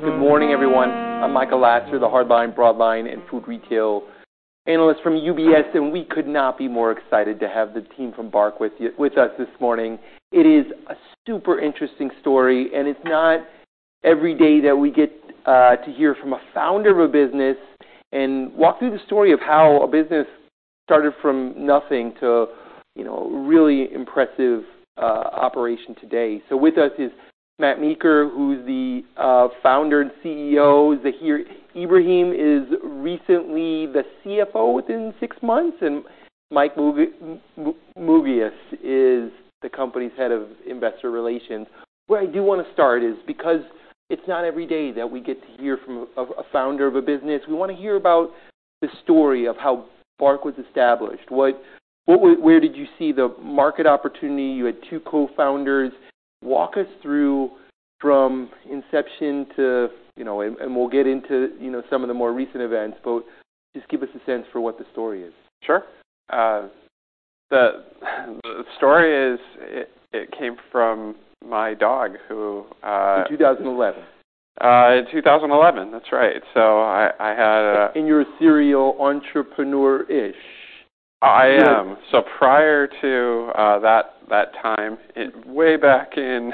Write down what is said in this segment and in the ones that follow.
Good morning, everyone. I'm Michael Lasser, the Hardline, Broadline, and Food Retail Analyst from UBS. We could not be more excited to have the team from BarkBox with us this morning. It is a super interesting story. It's not every day that we get to hear from a founder of a business and walk through the story of how a business started from nothing to, you know, a really impressive operation today. With us is Matt Meeker, who's the Founder and CEO. Zahir Ibrahim is recently the CFO within 6 months. Mike Mougias is the company's head of investor relations. Where I do wanna start is because it's not every day that we get to hear from a founder of a business. We wanna hear about the story of how Bark was established. What, where did you see the market opportunity? You had 2 co-founders. Walk us through from inception to, you know, and we'll get into, you know, some of the more recent events, but just give us a sense for what the story is. Sure. The story is it came from my dog, who. In 2011. In 2011, that's right. I had You're serial entrepreneur-ish. I am. Yeah. Prior to that time, way back in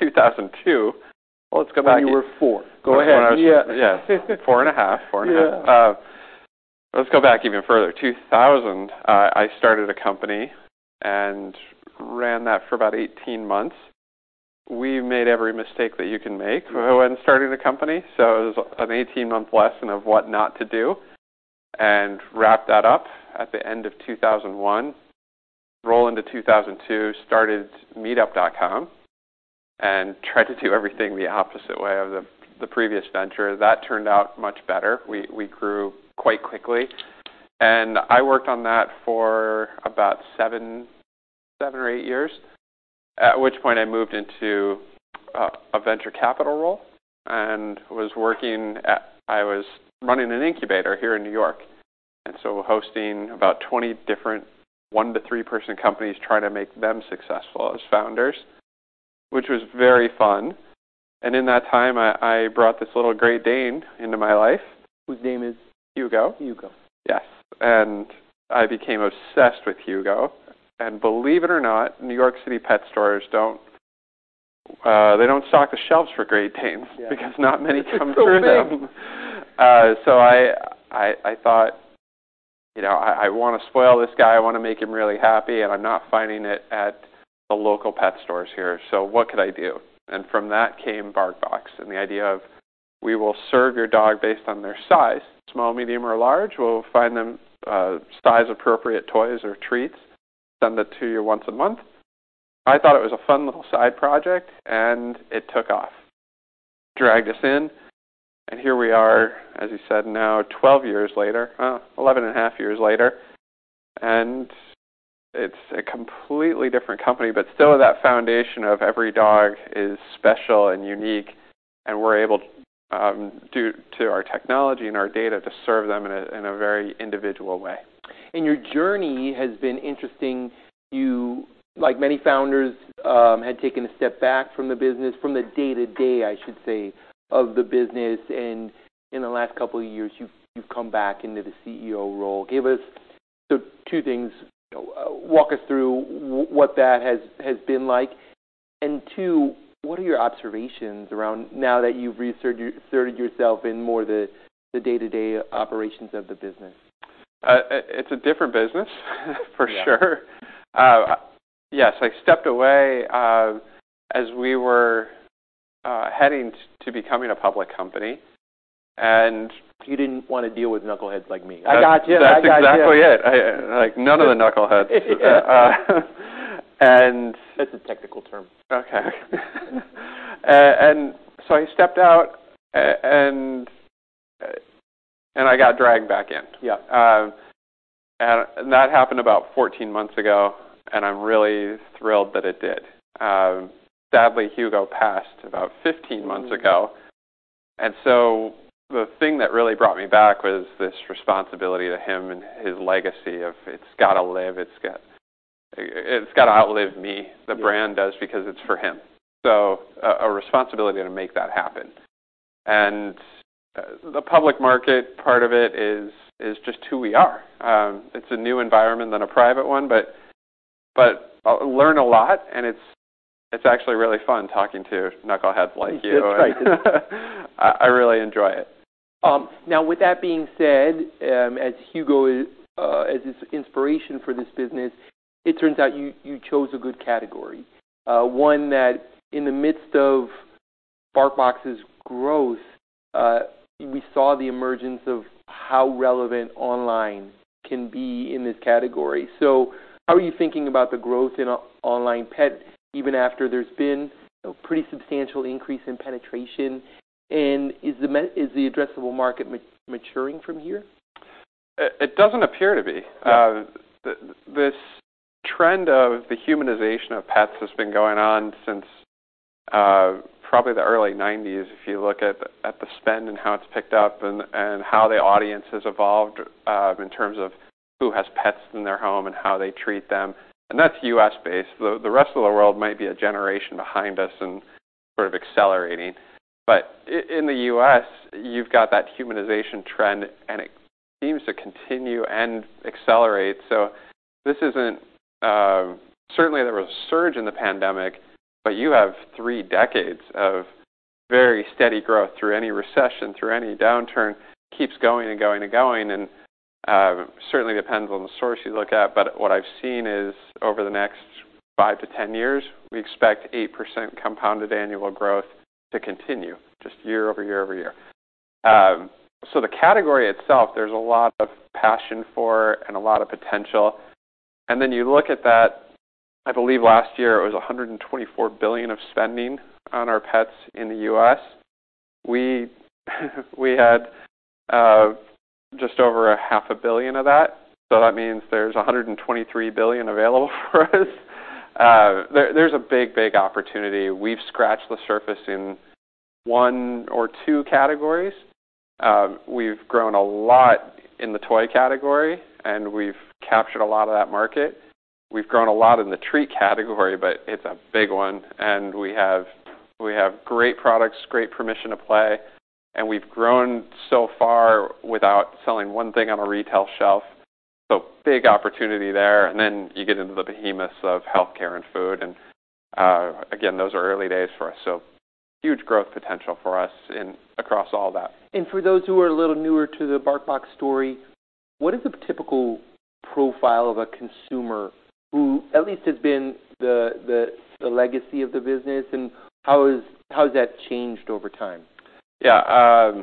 2002. let's go back. When you were 4. Go ahead. When I. Yeah. Yes. 4.5. 4.5. Yeah. Let's go back even further. 2000, I started a company and ran that for about 18 months. We made every mistake that you can make when starting a company. It was an 18-month lesson of what not to do, and wrapped that up at the end of 2001. Roll into 2002, started Meetup.com and tried to do everything the opposite way of the previous venture. That turned out much better. We grew quite quickly. I worked on that for about 7 or 8 years, at which point I moved into a venture capital role and was working at I was running an incubator here in New York, hosting about 20 different 1 to 3-person companies, trying to make them successful as founders, which was very fun. In that time, I brought this little Great Dane into my life. Whose name is? Hugo. Hugo. Yes. I became obsessed with Hugo. Believe it or not, New York City pet stores don't, they don't stock the shelves for Great Danes. Yeah. Not many come through them. It's so big. I thought, you know, I wanna spoil this guy, I wanna make him really happy, and I'm not finding it at the local pet stores here. What could I do? From that came BarkBox and the idea of we will serve your dog based on their size, small, medium, or large. We'll find them size-appropriate toys or treats, send it to you once a month. I thought it was a fun little side project, it took off, dragged us in, and here we are, as you said, now 12 years later, 11 and a half years later, and it's a completely different company. Still, that foundation of every dog is special and unique, and we're able, due to our technology and our data, to serve them in a very individual way. Your journey has been interesting. You, like many founders, had taken a step back from the business, from the day to day, I should say, of the business. In the last couple of years, you've come back into the CEO role. Give us. So 2 things. Walk us through what that has been like. 2, what are your observations around now that you've reinserted yourself in more the day-to-day operations of the business? It's a different business for sure. Yeah. Yes, I stepped away, as we were heading to becoming a public company. You didn't wanna deal with knuckleheads like me. I gotcha. I gotcha. That's exactly it. I. Like, none of the knuckleheads. That's a technical term. Okay. I stepped out and I got dragged back in. Yeah. That happened about 14 months ago, and I'm really thrilled that it did. Sadly, Hugo passed about 15 months ago. Mm-hmm. The thing that really brought me back was this responsibility to him and his legacy of it's gotta live, it's gotta outlive me. Yeah. The brand does because it's for him. A responsibility to make that happen. The public market part of it is just who we are. It's a new environment than a private one, but I learn a lot, and it's actually really fun talking to knuckleheads like you. It's great. I really enjoy it. Now, with that being said, as Hugo as this inspiration for this business, it turns out you chose a good category, one that in the midst of BarkBox's growth, we saw the emergence of how relevant online can be in this category. How are you thinking about the growth in online pet even after there's been a pretty substantial increase in penetration? Is the addressable market maturing from here? It doesn't appear to be. Yeah. This trend of the humanization of pets has been going on since probably the early 1990s, if you look at the spend and how it's picked up and how the audience has evolved in terms of who has pets in their home and how they treat them, and that's U.S.-based. The rest of the world might be a generation behind us and sort of accelerating. In the U.S., you've got that humanization trend, and it seems to continue and accelerate. This isn't. Certainly, there was a surge in the pandemic, but you have 3 decades of very steady growth through any recession, through any downturn, keeps going, and going, and going. Certainly depends on the source you look at, but what I've seen is over the next 5-10 years, we expect 8% compounded annual growth to continue just year-over-year-over-year. The category itself, there's a lot of passion for and a lot of potential. You look at that, I believe last year it was $124 billion of spending on our pets in the U.S. We had just over a half a billion of that, so that means there's $123 billion available for us. There's a big opportunity. We've scratched the surface in one or 2 categories. We've grown a lot in the toy category, and we've captured a lot of that market. We've grown a lot in the treat category, but it's a big one, and we have great products, great permission to play, and we've grown so far without selling one thing on a retail shelf, so big opportunity there. Then you get into the behemoths of healthcare and food, again, those are early days for us, so huge growth potential for us across all that. For those who are a little newer to the BarkBox story, what is a typical profile of a consumer who at least has been the legacy of the business, and how has that changed over time? Yeah,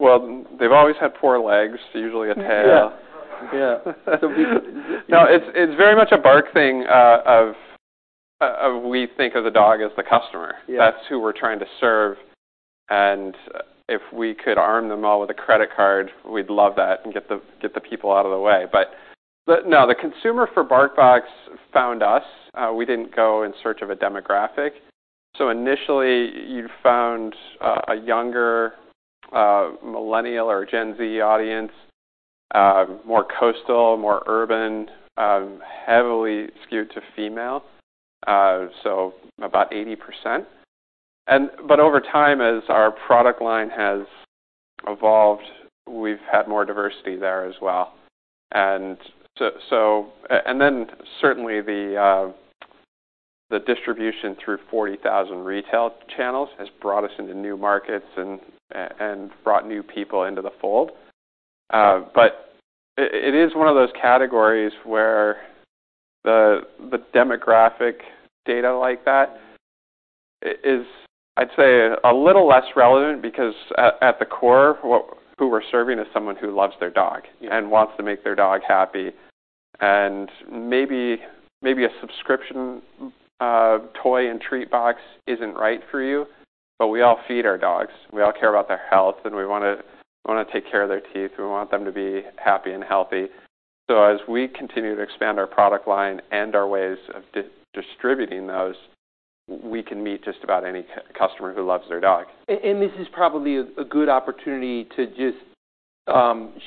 well, they've always had 4 legs, usually a tail. Yeah. Yeah. No, it's very much a BARK thing, of we think of the dog as the customer. Yeah. That's who we're trying to serve, and if we could arm them all with a credit card, we'd love that and get the people out of the way. No, the consumer for BarkBox found us, we didn't go in search of a demographic. Initially, you found a younger Millennial or Gen Z audience, more coastal, more urban, heavily skewed to female, so about 80%. Over time, as our product line has evolved, we've had more diversity there as well. Then certainly the distribution through 40,000 retail channels has brought us into new markets and brought new people into the fold. It is one of those categories where the demographic data like that is, I'd say, a little less relevant because at the core, who we're serving is someone who loves their dog. Yeah... and wants to make their dog happy. Maybe a subscription toy and treat box isn't right for you. We all feed our dogs. We all care about their health, and we wanna take care of their teeth, and we want them to be happy and healthy. As we continue to expand our product line and our ways of distributing those, we can meet just about any customer who loves their dog. This is probably a good opportunity to just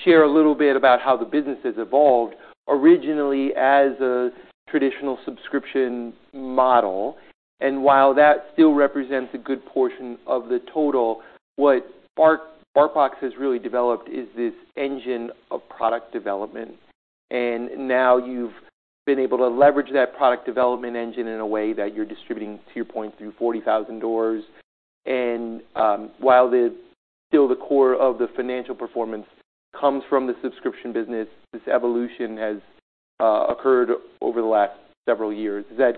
share a little bit about how the business has evolved originally as a traditional subscription model, and while that still represents a good portion of the total, what BarkBox has really developed is this engine of product development. Now you've been able to leverage that product development engine in a way that you're distributing, to your point, through 40,000 doors. While the, still the core of the financial performance comes from the subscription business, this evolution has occurred over the last several years. Is that?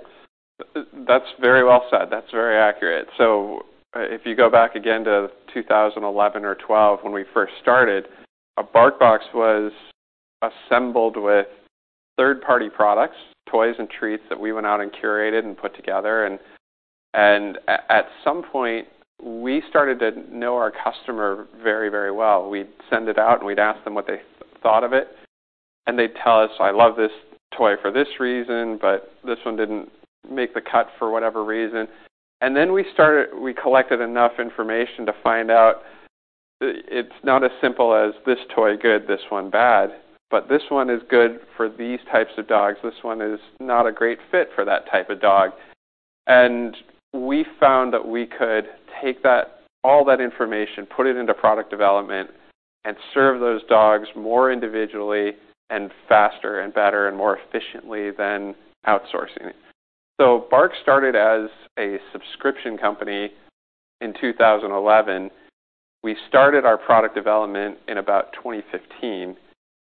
That's very well said. That's very accurate. If you go back again to 2011 or '12 when we first started, a BarkBox was assembled with third-party products, toys and treats that we went out and curated and put together. At some point, we started to know our customer very, very well. We'd send it out, and we'd ask them what they thought of it, and they'd tell us, "I love this toy for this reason, but this one didn't make the cut for whatever reason." We collected enough information to find out it's not as simple as this toy good, this one bad, but this one is good for these types of dogs. This one is not a great fit for that type of dog. We found that we could take that, all that information, put it into product development, and serve those dogs more individually and faster and better and more efficiently than outsourcing it. BARK started as a subscription company in 2011. We started our product development in about 2015,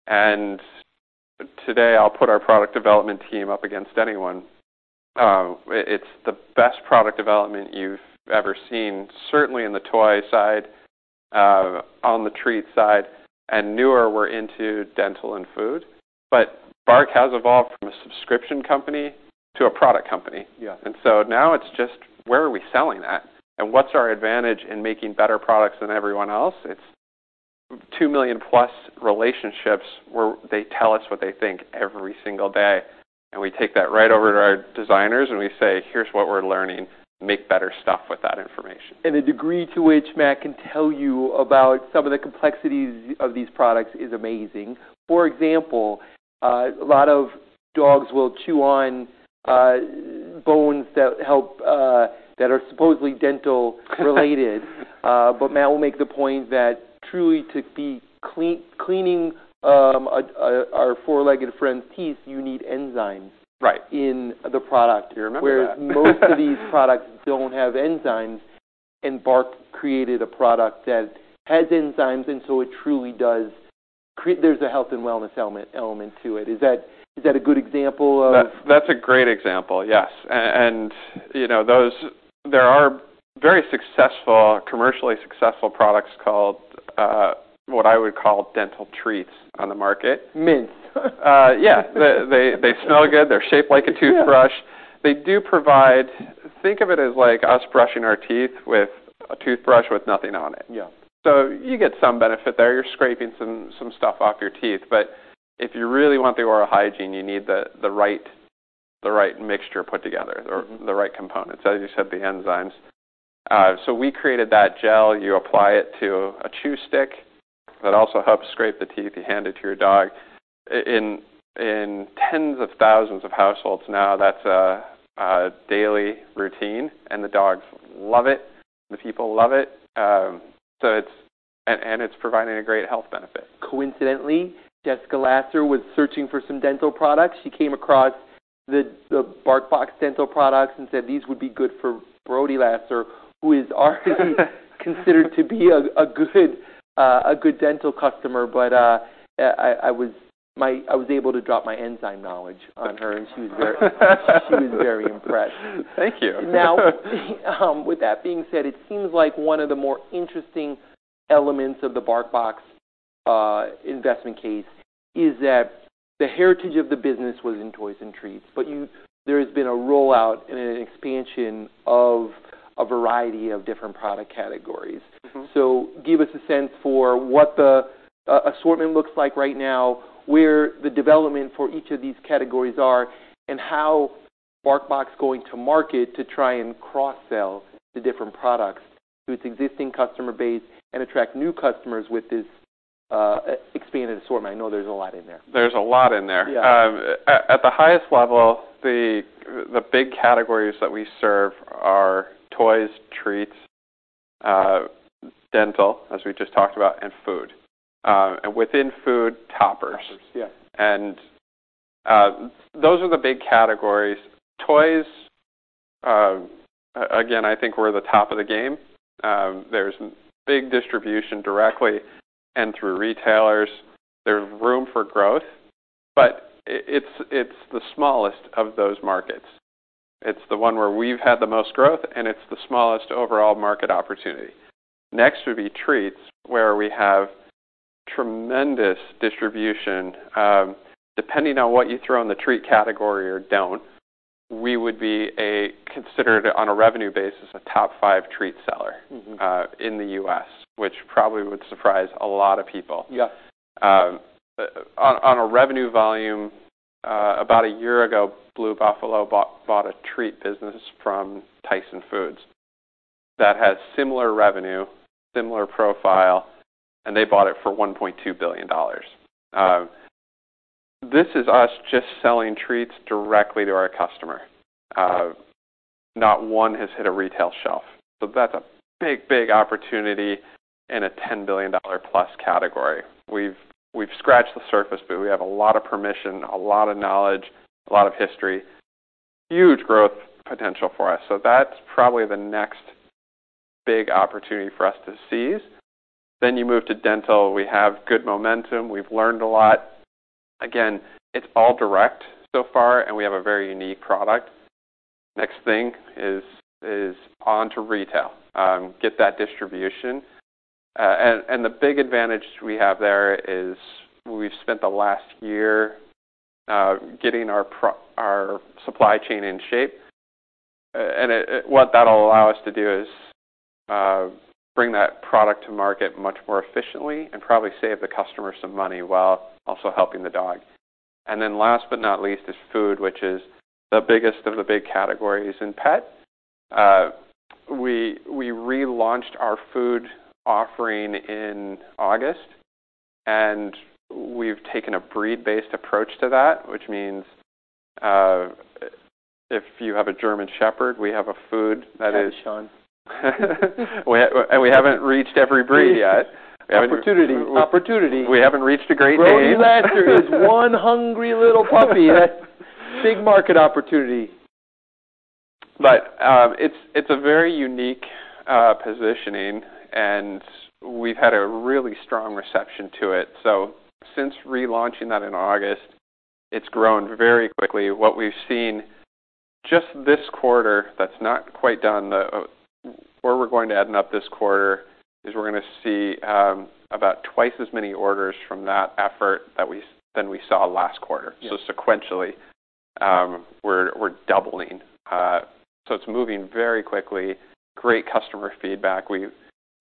and today I'll put our product development team up against anyone. It's the best product development you've ever seen, certainly in the toy side, on the treat side, and newer we're into dental and food. BARK has evolved from a subscription company to a product company. Yes. Now it's just where are we selling that, and what's our advantage in making better products than everyone else? It's 2 million+ relationships where they tell us what they think every single day, and we take that right over to our designers, and we say, "Here's what we're learning. Make better stuff with that information. The degree to which Matt can tell you about some of the complexities of these products is amazing. For example, a lot of dogs will chew on bones that help that are supposedly dental related. Matt will make the point that truly to be clean-cleaning, a our 4-legged friend's teeth, you need enzymes. Right in the product. You remember that. Whereas most of these products don't have enzymes, BARK created a product that has enzymes, there's a health and wellness element to it. Is that a good example of-? That's a great example, yes. You know, there are very successful, commercially successful products called, what I would call dental treats on the market. Mints. Yeah. They smell good. They're shaped like a toothbrush. Yeah. They do provide. Think of it as like us brushing our teeth with a toothbrush with nothing on it. Yeah. You get some benefit there. You're scraping some stuff off your teeth, but if you really want the oral hygiene, you need the right mixture put together. Mm-hmm... or the right components, as you said, the enzymes. We created that gel. You apply it to a chew stick that also helps scrape the teeth. You hand it to your dog. In tens of thousands of households now, that's a daily routine, and the dogs love it, the people love it. It's providing a great health benefit. Coincidentally, Jessica Lasser was searching for some dental products. She came across the BarkBox dental products and said these would be good for Brody Lasser, who is considered to be a good dental customer. I was able to drop my enzyme knowledge on her, and she was very impressed. Thank you. With that being said, it seems like one of the more interesting elements of the BarkBox investment case is that the heritage of the business was in toys and treats, but there has been a rollout and an expansion of a variety of different product categories. Mm-hmm. Give us a sense for what the assortment looks like right now, where the development for each of these categories are, and how BarkBox going to market to try and cross-sell the different products to its existing customer base and attract new customers with this expanded assortment. I know there's a lot in there. There's a lot in there. Yeah. At the highest level, the big categories that we serve are toys, treats, dental, as we just talked about, and food, and within food, toppers. Toppers, yeah. Those are the big categories. Toys, again, I think we're the top of the game. There's big distribution directly and through retailers. There's room for growth, but it's the smallest of those markets. It's the one where we've had the most growth, and it's the smallest overall market opportunity. Next would be treats, where we have tremendous distribution. Depending on what you throw in the treat category or don't, we would be a considered, on a revenue basis, a top 5 treat seller. Mm-hmm... in the U.S., which probably would surprise a lot of people. Yes. On a revenue volume, about a year ago, Blue Buffalo bought a treat business from Tyson Foods that had similar revenue, similar profile, and they bought it for $1.2 billion. This is us just selling treats directly to our customer. Not one has hit a retail shelf, so that's a big opportunity in a $10 billion plus category. We've scratched the surface, but we have a lot of permission, a lot of knowledge, a lot of history. Huge growth potential for us. That's probably the next big opportunity for us to seize. You move to dental. We have good momentum. We've learned a lot. Again, it's all direct so far, and we have a very unique product. Next thing is on to retail, get that distribution. The big advantage we have there is we've spent the last year getting our supply chain in shape. It, what that'll allow us to do is bring that product to market much more efficiently and probably save the customer some money while also helping the dog. Then last but not least is food, which is the biggest of the big categories in pet. We relaunched our food offering in August, and we've taken a breed-based approach to that, which means if you have a German Shepherd, we have a food that is... That is Sean. We haven't reached every breed yet. Opportunity. Opportunity. We haven't reached a Great Dane. Brody Lasser is one hungry little puppy. That's big market opportunity. It's a very unique positioning, and we've had a really strong reception to it. Since relaunching that in August, it's grown very quickly. What we've seen just this quarter that's not quite done, the where we're going to end up this quarter is we're gonna see about twice as many orders from that effort than we saw last quarter. Yeah. Sequentially, we're doubling. It's moving very quickly. Great customer feedback.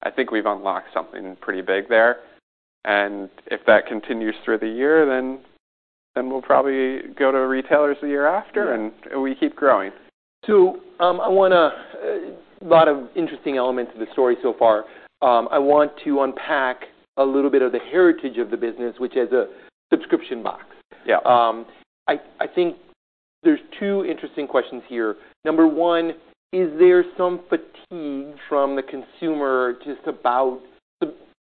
I think we've unlocked something pretty big there. If that continues through the year, then we'll probably go to retailers the year after. Yeah We keep growing. A lot of interesting elements to the story so far. I want to unpack a little bit of the heritage of the business, which is a subscription box. Yeah. There's 2 interesting questions here. Number one, is there some fatigue from the consumer just about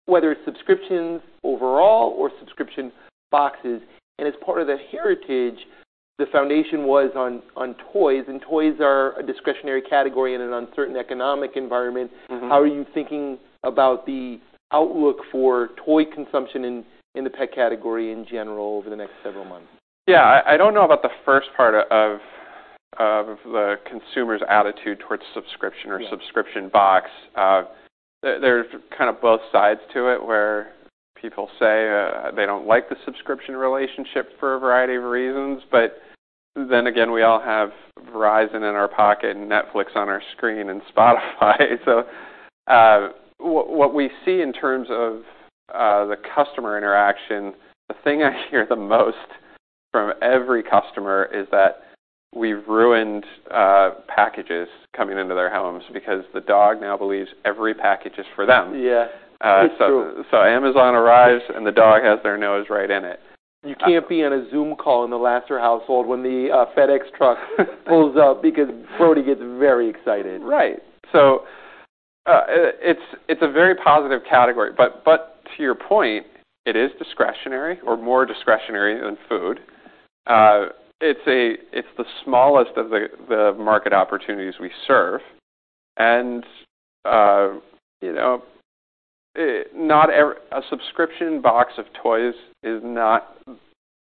whether it's subscriptions overall or subscription boxes? As part of the heritage, the foundation was on toys, and toys are a discretionary category in an uncertain economic environment. Mm-hmm. How are you thinking about the outlook for toy consumption in the pet category in general over the next several months? Yeah. I don't know about the first part of the consumer's attitude towards subscription- Yeah... or subscription box. There's kind of both sides to it, where people say, they don't like the subscription relationship for a variety of reasons. We all have Verizon in our pocket and Netflix on our screen and Spotify. What we see in terms of the customer interaction, the thing I hear the most from every customer is that we've ruined packages coming into their homes because the dog now believes every package is for them. Yeah. It's true. Amazon arrives, and the dog has their nose right in it. You can't be on a Zolom call in the Lasser household when the FedEx pulls up because Brody gets very excited. It's a very positive category. To your point, it is discretionary or more discretionary than food. It's the smallest of the market opportunities we serve. You know, a subscription box of toys is not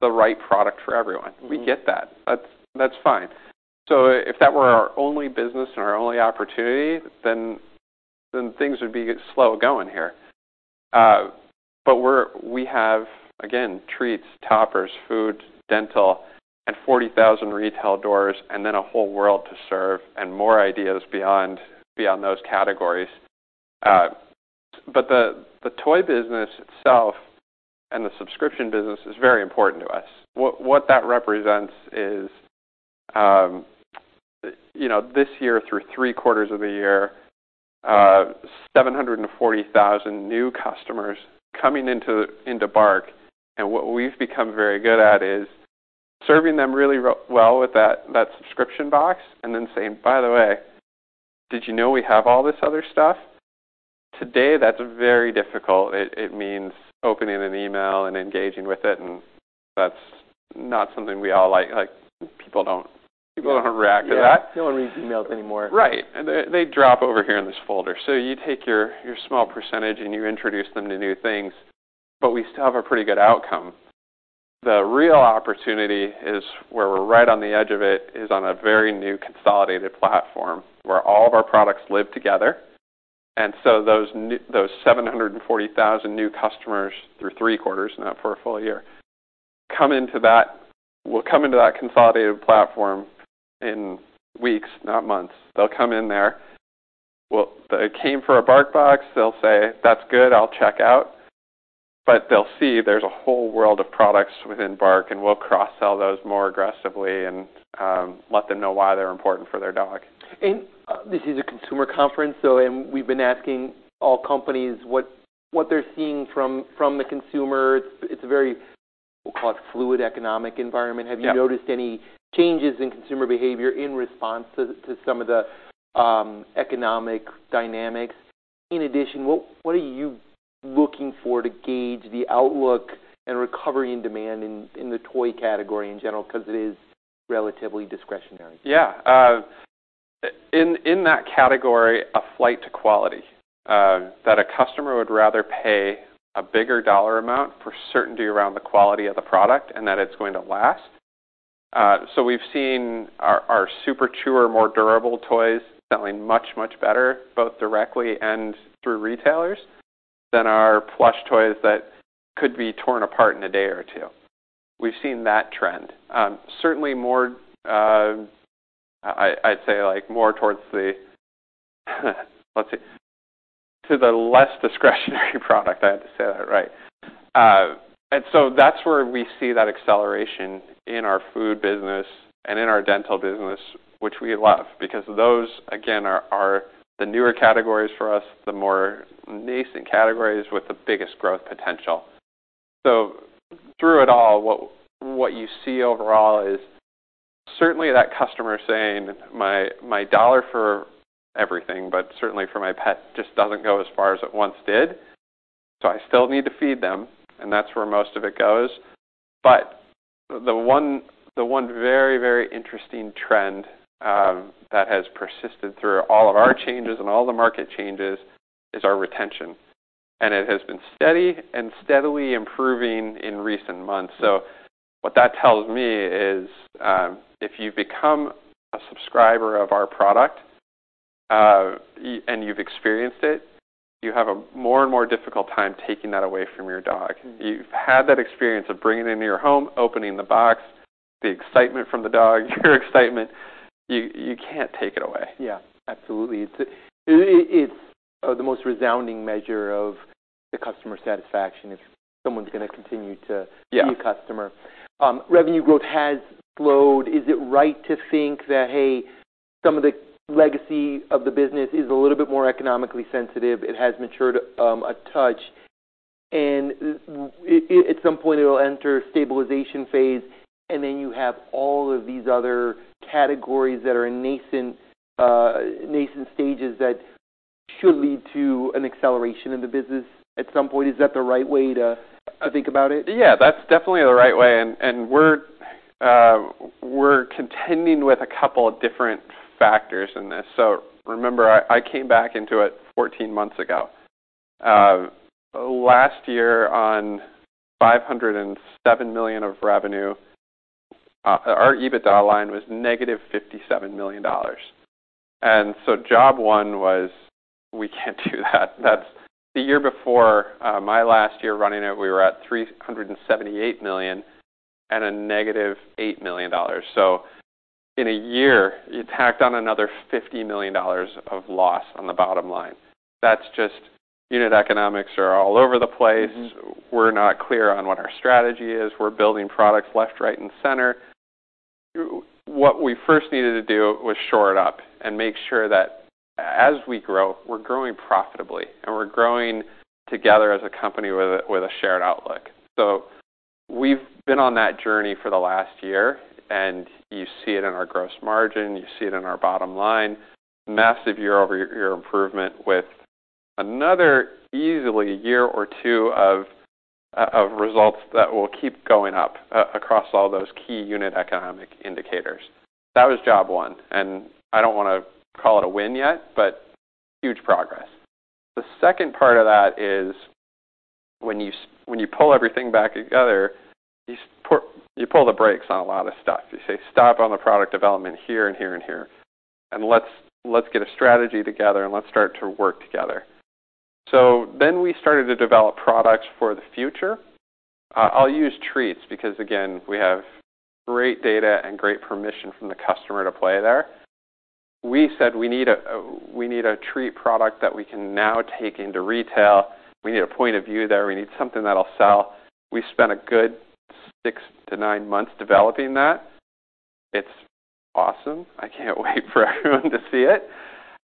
the right product for everyone. Mm. We get that. That's fine. if that Yeah... our only business and our only opportunity, then things would be slow-going here. We have, again, treats, toppers, food, dental at 40,000 retail doors, and then a whole world to serve and more ideas beyond those categories. The toy business itself and the subscription business is very important to us. What that represents is, you know, this year through 3-quarters of the year, 740,000 new customers coming into BARK. What we've become very good at is serving them really well with that subscription box and then saying, "By the way, did you know we have all this other stuff?" Today, that's very difficult. It means opening an email and engaging with it, that's not something we all like. Like, people don't interact with that. Yeah. No one reads emails anymore. Right. They drop over here in this folder. You take your small percentage, and you introduce them to new things, but we still have a pretty good outcome. The real opportunity is where we're right on the edge of it, is on a very new consolidated platform where all of our products live together. Those 740,000 new customers through 3 quarters, not for a full year, come into that consolidated platform in weeks, not months. They'll come in there. They came for a BarkBox. They'll say, "That's good. I'll check out." They'll see there's a whole world of products within BARK, and we'll cross-sell those more aggressively and let them know why they're important for their dog. This is a consumer conference, so, and we've been asking all companies what they're seeing from the consumer. It's a very, we'll call it fluid economic environment. Yeah. Have you noticed any changes in consumer behavior in response to some of the economic dynamics? In addition, what are you looking for to gauge the outlook and recovery and demand in the toy category in general? 'Cause it is relatively discretionary. Yeah. In that category, a flight to quality, that a customer would rather pay a bigger dollar amount for certainty around the quality of the product and that it's going to last. We've seen our Super Chewer or more durable toys selling much, much better, both directly and through retailers, than our plush toys that could be torn apart in a day or 2. We've seen that trend. Certainly more, I'd say like more towards the let's see, to the less discretionary product. I had to say that right. That's where we see that acceleration in our food business and in our dental business, which we love because those, again, are the newer categories for us, the more nascent categories with the biggest growth potential. Through it all, what you see overall is certainly that customer saying, "My dollar for everything, but certainly for my pet, just doesn't go as far as it once did, so I still need to feed them," and that's where most of it goes. The one very, very interesting trend that has persisted through all of our changes and all the market changes is our retention, and it has been steady and steadily improving in recent months. What that tells me is, if you become a subscriber of our product, and you've experienced it, you have a more and more difficult time taking that away from your dog. Mm. You've had that experience of bringing it into your home, opening the box, the excitement from the dog, your excitement. You can't take it away. Yeah, absolutely. It's the most resounding measure of the customer satisfaction if someone's gonna continue to. Yeah Be a customer. Revenue growth has slowed. Is it right to think that, hey, some of the legacy of the business is a little bit more economically sensitive, it has matured, a touch? At some point it will enter stabilization phase, and then you have all of these other categories that are in nascent stages that should lead to an acceleration in the business at some point. Is that the right way to think about it? Yeah, that's definitely the right way, and we're contending with a couple of different factors in this. Remember I came back into it 14 months ago. Last year on $507 million of revenue, our EBITDA line was negative $57 million. Job one was we can't do that. The year before, my last year running it, we were at $378 million at a negative $8 million. In a year, you tacked on another $50 million of loss on the bottom line. That's just unit economics are all over the place. Mm-hmm. We're not clear on what our strategy is. We're building products left, right, and center. What we first needed to do was shore it up and make sure that as we grow, we're growing profitably, and we're growing together as a company with a shared outlook. We've been on that journey for the last year. You see it in our gross margin, you see it in our bottom line, massive year-over-year improvement with another easily year or 2 of results that will keep going up across all those key unit economic indicators. That was job 1, I don't wanna call it a win yet, but huge progress. The second part of that is when you pull everything back together, you pull the brakes on a lot of stuff. You say, "Stop on the product development here and here and here, and let's get a strategy together, and let's start to work together." We started to develop products for the future. I'll use treats because, again, we have great data and great permission from the customer to play there. We said we need a treat product that we can now take into retail. We need a point of view there. We need something that'll sell. We spent a good 6 to 9 months developing that. It's awesome. I can't wait for everyone to see it.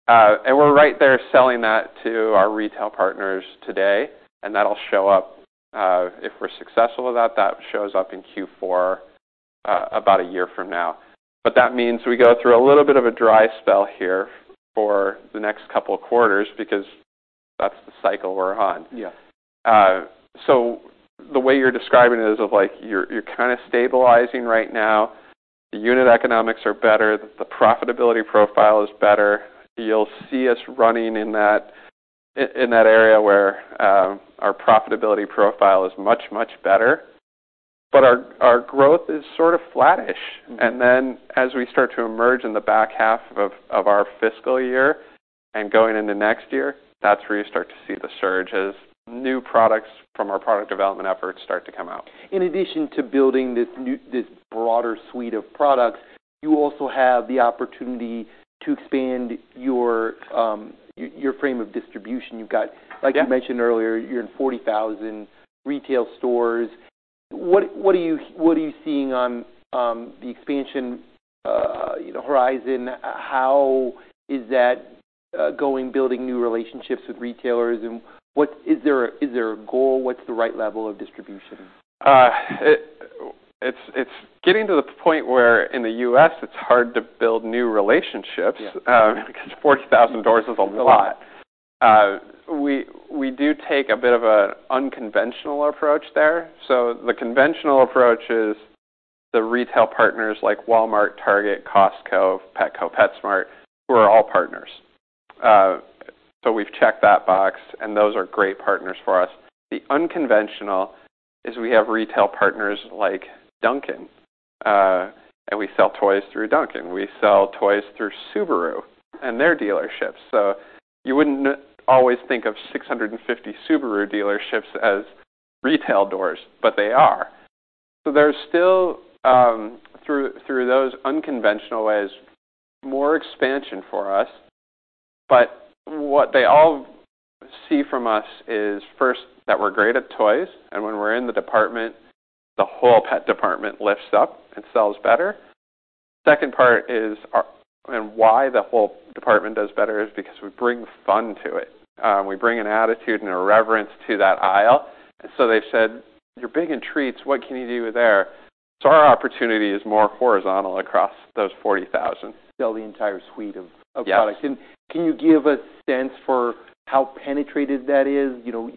We're right there selling that to our retail partners today, and that'll show up, if we're successful with that shows up in Q4, about a year from now. That means we go through a little bit of a dry spell here for the next couple quarters because that's the cycle we're on. Yeah. The way you're describing it is of like you're kind of stabilizing right now. The unit economics are better. The profitability profile is better. You'll see us running in that area where our profitability profile is much, much better. Our growth is sort of flattish. Mm-hmm. As we start to emerge in the back half of our FY and going into next year, that's where you start to see the surge as new products from our product development efforts start to come out. In addition to building this broader suite of products, you also have the opportunity to expand your frame of distribution. You've got- Yeah. Like you mentioned earlier, you're in 40,000 retail stores. What are you seeing on the expansion, you know, horizon? How is that going building new relationships with retailers? Is there a goal? What's the right level of distribution? It's getting to the point where in the U.S. it's hard to build new relationships. Yeah. 'Cause 40,000 doors is a lot. We do take a bit of an unconventional approach there. The conventional approach is the retail partners like Walmart, Target, Costco, Petco, PetSmart, who are all partners. We've checked that box, and those are great partners for us. The unconventional is we have retail partners like Dunkin', and we sell toys through Dunkin'. We sell toys through Subaru and their dealerships. You wouldn't always think of 650 Subaru dealerships as retail doors, but they are. There's still through those unconventional ways, more expansion for us. What they all see from us is, first, that we're great at toys, and when we're in the department, the whole pet department lifts up and sells better. Second part is and why the whole department does better is because we bring fun to it. We bring an attitude and a reverence to that aisle. They've said, "You're big in treats. What can you do there?" Our opportunity is more horizontal across those 40,000. Sell the entire suite of products. Yes. Can you give a sense for how penetrated that is? You know,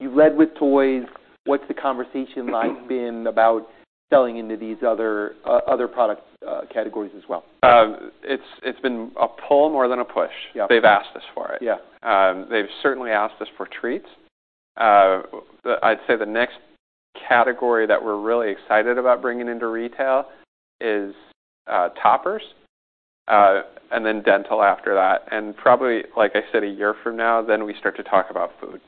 you led with toys. What's the conversation line been about selling into these other product categories as well? It's been a pull more than a push. Yeah. They've asked us for it. Yeah. They've certainly asked us for treats. I'd say the next category that we're really excited about bringing into retail is toppers, and then dental after that. Probably, like I said, a year from now, then we start to talk about food.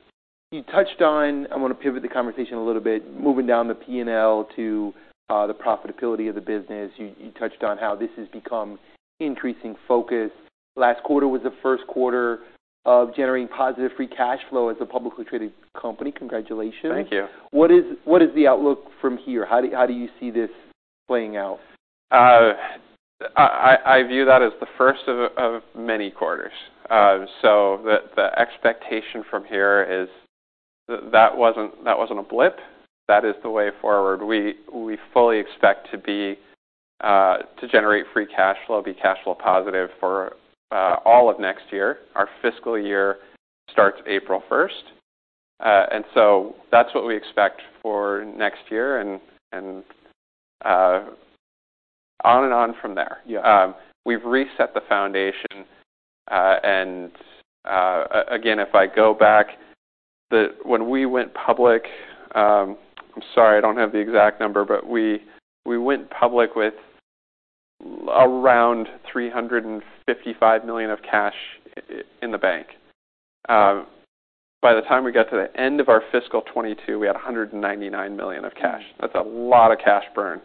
You touched on, I wanna pivot the conversation a little bit, moving down the P&L to the profitability of the business. You touched on how this has become increasing focus. Last quarter was the first quarter of generating positive free cash flow as a publicly traded company. Congratulations. Thank you. What is the outlook from here? How do you see this playing out? I view that as the first of many quarters. The expectation from here is that wasn't a blip. That is the way forward. We fully expect to be to generate free cash flow, be cash flow positive for all of next year. Our FY starts April first. That's what we expect for next year and on and on from there. Yeah. We've reset the foundation. Again, if I go back, the... When we went public, I'm sorry, I don't have the exact number, but we went public with around $355 million of cash in the bank. By the time we got to the end of our fiscal 2022, we had $199 million of cash. That's a lot of cash burn.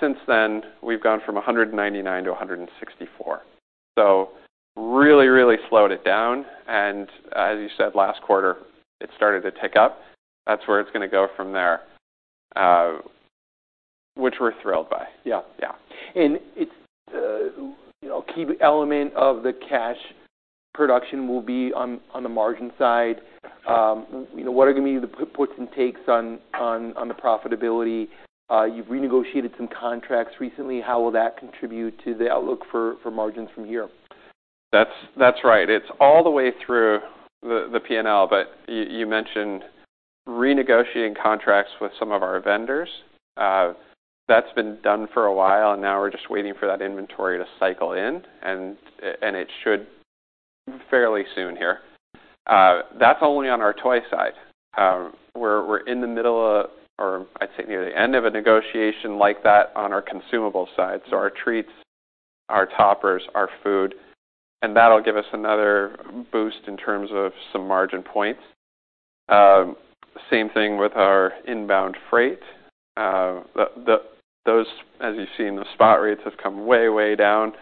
Since then, we've gone from $199 million to $164 million. Really slowed it down, and, as you said, last quarter it started to tick up. That's where it's gonna go from there, which we're thrilled by. Yeah. Yeah. It's, you know, a key element of the cash production will be on the margin side. You know, what are gonna be the puts and takes on the profitability? You've renegotiated some contracts recently. How will that contribute to the outlook for margins from here? That's right. It's all the way through the P&L, but you mentioned renegotiating contracts with some of our vendors. That's been done for a while, and now we're just waiting for that inventory to cycle in, and it should fairly soon here. That's only on our toy side. We're in the middle of... or I'd say near the end of a negotiation like that on our consumable side, so our treats, our toppers, our food, and that'll give us another boost in terms of some margin points. Same thing with our inbound freight. Those, as you've seen, the spot rates have come way down,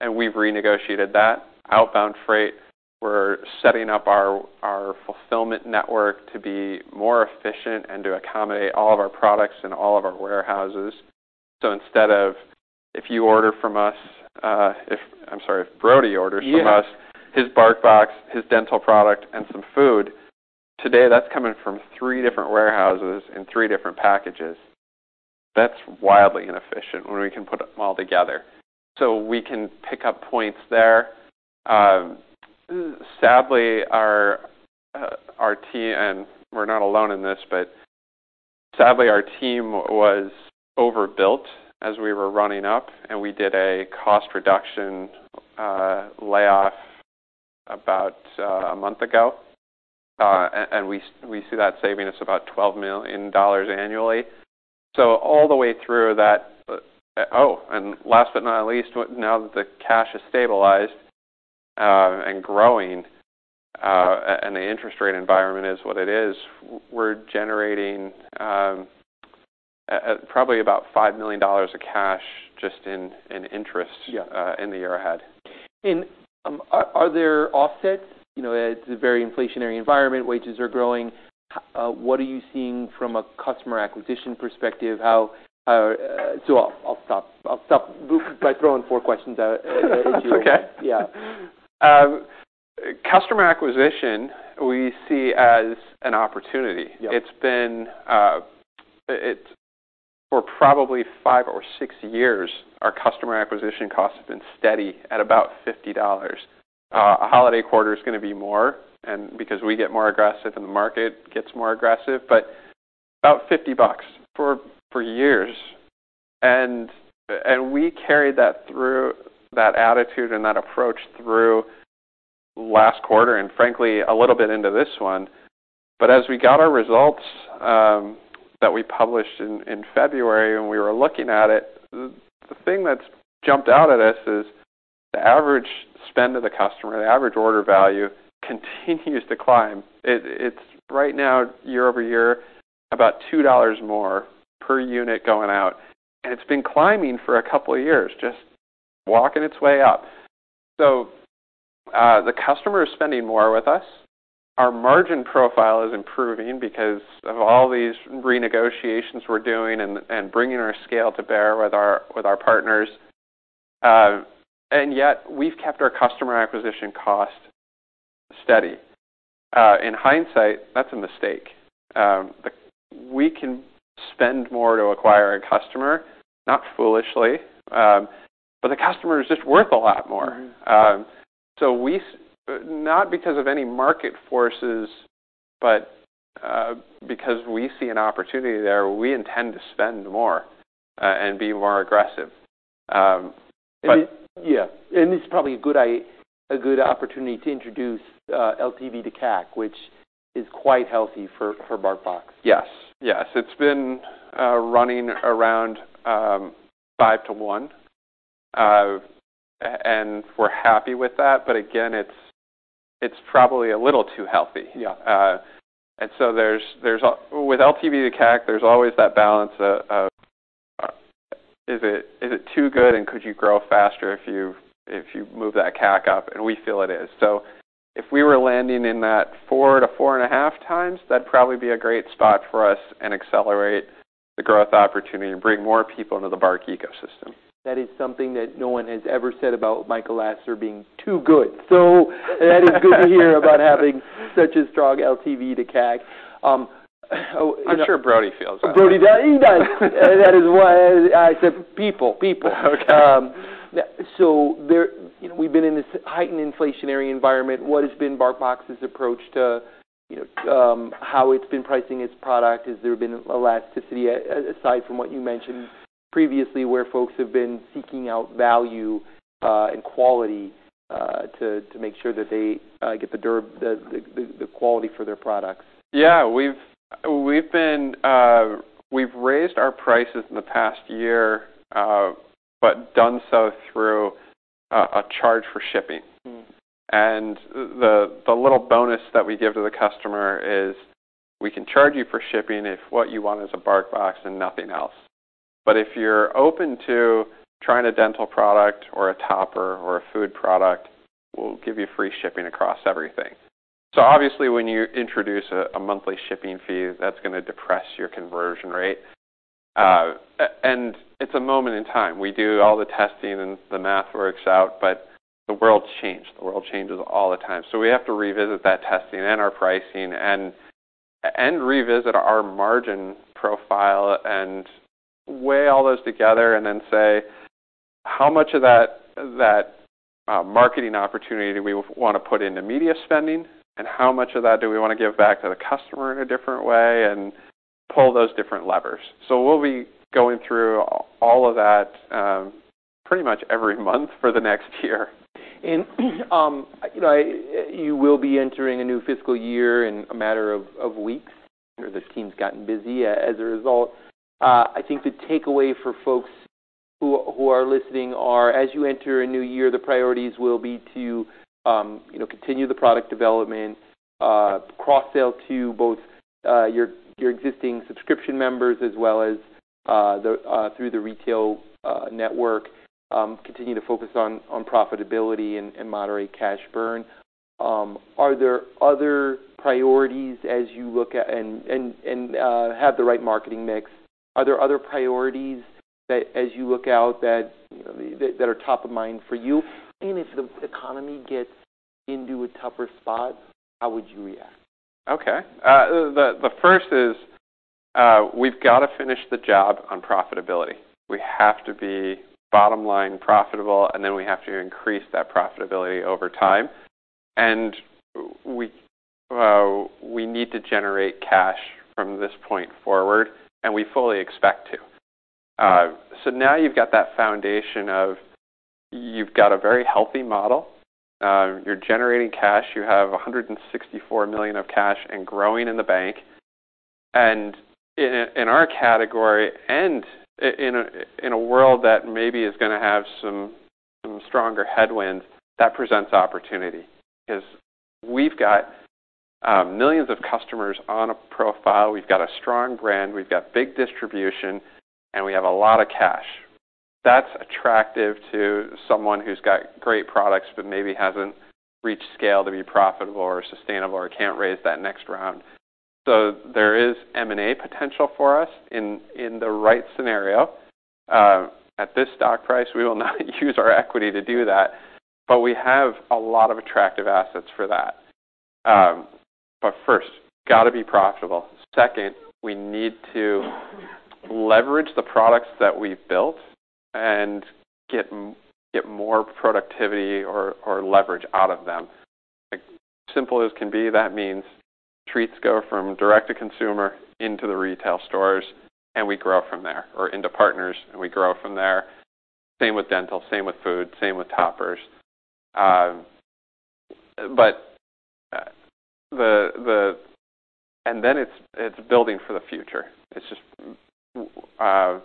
and we've renegotiated that. Outbound freight, we're setting up our fulfillment network to be more efficient and to accommodate all of our products in all of our warehouses. instead of if you order from us, I'm sorry, if Brody orders. Yeah ...from us, his BarkBox, his dental product, and some food, today that's coming from 3 different warehouses in 3 different packages. That's wildly inefficient when we can put it all together. We can pick up points there. Sadly, our team, and we're not alone in this, but sadly, our team was overbuilt as we were running up, and we did a cost reduction layoff about 1 month ago. We see that saving us about $12 million annually. All the way through that... Last but not least, now that the cash is stabilized and growing, and the interest rate environment is what it is, we're generating probably about $5 million of cash just in interest- Yeah... in the year ahead. Are there offsets? You know, it's a very inflationary environment. Wages are growing. What are you seeing from a customer acquisition perspective? How... I'll stop. By throwing 4 questions at you. Okay. Yeah. Customer acquisition we see as an opportunity. Yeah. It's been for probably 5 or 6 years, our customer acquisition cost has been steady at about $50. A holiday quarter is gonna be more, because we get more aggressive and the market gets more aggressive, but about $50 for years. We carried that through, that attitude and that approach through last quarter and frankly a little bit into this one. As we got our results, that we published in February and we were looking at it, the thing that's jumped out at us is the average spend of the customer, the average order value continues to climb. It's right now year-over-year about $2 more per unit going out, and it's been climbing for a couple of years, just walking its way up. The customer is spending more with us. Our margin profile is improving because of all these renegotiations we're doing and bringing our scale to bear with our partners. Yet we've kept our customer acquisition cost steady. In hindsight, that's a mistake. We can spend more to acquire a customer, not foolishly, but the customer is just worth a lot more. Mm-hmm. We not because of any market forces, but, because we see an opportunity there, we intend to spend more, and be more aggressive. Yeah. This is probably a good opportunity to introduce LTV to CAC, which is quite healthy for BarkBox. Yes. Yes. It's been running around 5 to 1, and we're happy with that. Again, it's probably a little too healthy. Yeah. there's with LTV to CAC, there's always that balance of is it too good, and could you grow faster if you move that CAC up? We feel it is. If we were landing in that 4 to 4.5 times, that'd probably be a great spot for us and accelerate the growth opportunity and bring more people into the BARK ecosystem. That is something that no one has ever said about Michael Lasser being too good. That is good to hear about having such a strong LTV to CAC. Oh, you know. I'm sure Brody feels that way. Brody does, he does. That is why I said people. Okay. There, you know, we've been in this heightened inflationary environment. What has been BarkBox's approach to, you know, how it's been pricing its product? Has there been elasticity, aside from what you mentioned previously, where folks have been seeking out value, and quality, to make sure that they get the quality for their products? Yeah. We've raised our prices in the past year, done so through a charge for shipping. Mm. The little bonus that we give to the customer is we can charge you for shipping if what you want is a BarkBox and nothing else. If you're open to trying a dental product or a topper or a food product, we'll give you free shipping across everything. Obviously, when you introduce a monthly shipping fee, that's gonna depress your conversion rate. And it's a moment in time. We do all the testing, and the math works out, but the world's changed. The world changes all the time. We have to revisit that testing and our pricing and revisit our margin profile and weigh all those together and then say, "How much of that, marketing opportunity do we want to put into media spending, and how much of that do we wanna give back to the customer in a different way?" Pull those different levers. We'll be going through all of that pretty much every month for the next year. You know, you will be entering a new FY in a matter of weeks. I know this team's gotten busy. As a result, I think the takeaway for folks who are listening are, as you enter a new year, the priorities will be to, you know, continue the product development, cross-sell to both your existing subscription members as well as the through the retail ne network, continue to focus on profitability and moderate cash burn. Have the right marketing mix. Are there other priorities that as you look out that, you know, that are top of mind for you? If the economy gets into a tougher spot, how would you react? Okay. The first is, we've got to finish the job on profitability. We have to be bottom-line profitable. Then we have to increase that profitability over time. We need to generate cash from this point forward, and we fully expect to. Now you've got that foundation of you've got a very healthy model. You're generating cash. You have $164 million of cash and growing in the bank. In our category and in a world that maybe is gonna have some stronger headwinds, that presents opportunity. 'Cause we've got millions of customers on a profile. We've got a strong brand. We've got big distribution, and we have a lot of cash. That's attractive to someone who's got great products but maybe hasn't reached scale to be profitable or sustainable or can't raise that next round. There is M&A potential for us in the right scenario. At this stock price, we will not use our equity to do that, but we have a lot of attractive assets for that. First, gotta be profitable. Second, we need to leverage the products that we've built and get more productivity or leverage out of them. Like, simple as can be, that means treats go from direct to consumer into the retail stores, and we grow from there, or into partners, and we grow from there. Same with dental, same with food, same with toppers. Then it's building for the future. It's just, I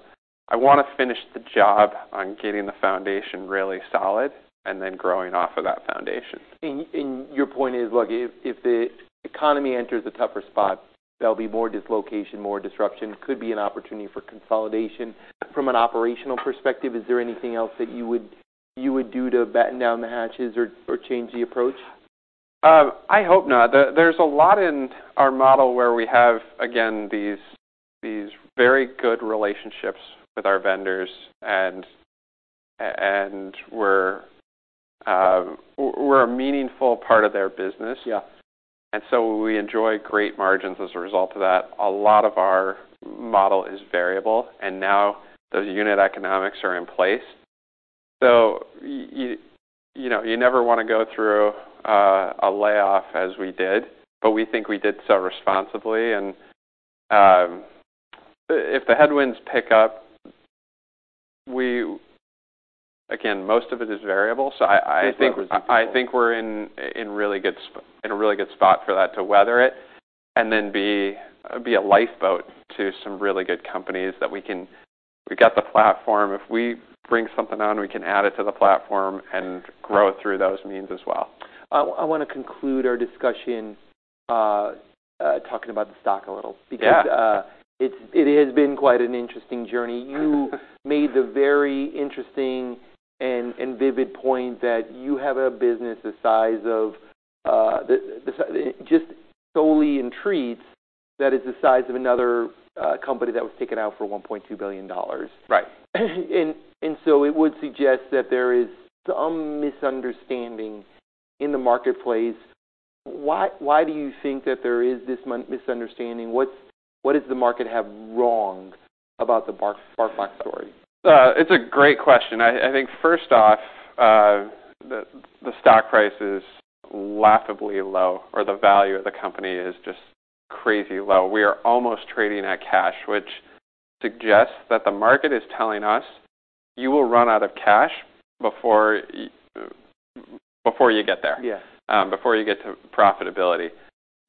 wanna finish the job on getting the foundation really solid and then growing off of that foundation. Your point is, look, if the economy enters a tougher spot, there'll be more dislocation, more disruption, could be an opportunity for consolidation. From an operational perspective, is there anything else that you would do to batten down the hatches or change the approach? I hope not. There's a lot in our model where we have, again, these very good relationships with our vendors and we're a meaningful part of their business. Yeah. We enjoy great margins as a result of that. A lot of our model is variable. Now those unit economics are in place. You know, you never wanna go through a layoff as we did, but we think we did so responsibly. If the headwinds pick up, Again, most of it is variable, so I think. It's all variable. I think we're in a really good spot for that to weather it and then be a lifeboat to some really good companies that we can. We've got the platform. If we bring something on, we can add it to the platform and grow through those means as well. I wanna conclude our discussion talking about the stock a little. Yeah. It has been quite an interesting journey. You made the very interesting and vivid point that you have a business the size of just solely in treats that is the size of another company that was taken out for $1.2 billion. Right. It would suggest that there is some misunderstanding in the marketplace. Why do you think that there is this misunderstanding? What does the market have wrong about the BarkBox story? It's a great question. I think first off, the stock price is lau ghably low, or the value of the company is just crazy low. We are almost trading at cash, which suggests that the market is telling us, "You will run out of cash before you get there. Yes... before you get to profitability."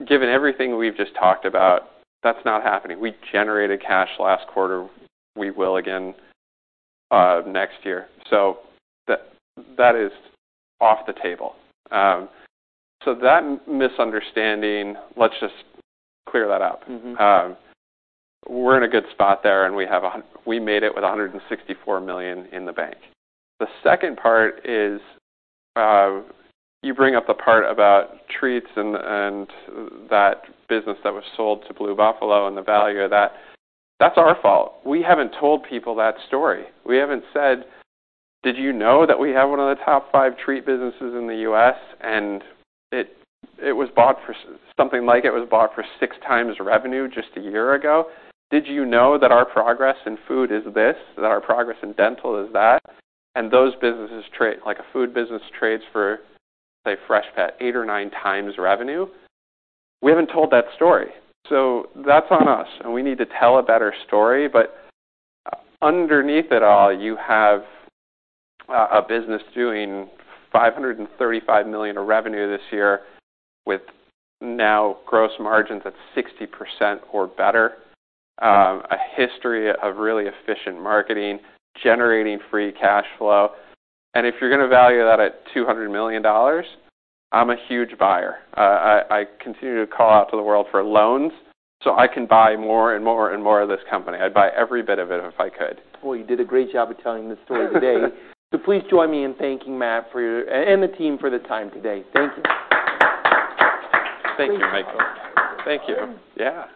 Given everything we've just talked about, that's not happening. We generated cash last quarter, we will again, next year. That is off the table. That misunderstanding, let's just clear that up. Mm-hmm. We're in a good spot there, and we made it with $164 million in the bank. The second part is, you bring up the part about treats and that business that was sold to Blue Buffalo and the value of that. That's our fault. We haven't told people that story. We haven't said, "Did you know that we have one of the top 5 treat businesses in the U.S., and it was bought for 6 times revenue just a year ago? Did you know that our progress in food is this, that our progress in dental is that?" Those businesses like a food business trades for, say Freshpet, 8 or 9 times revenue. We haven't told that story. That's on us, and we need to tell a better story. Underneath it all, you have a business doing $535 million of revenue this year with now gross margins at 60% or better, a history of really efficient marketing, generating free cash flow. If you're gonna value that at $200 million, I'm a huge buyer. I continue to call out to the world for loans so I can buy more and more and more of this company. I'd buy every bit of it if I could. Well, you did a great job of telling the story today. Please join me in thanking Matt and the team for the time today. Thank you. Thank you, Michael. Please come out. Thank you. All right. Yeah.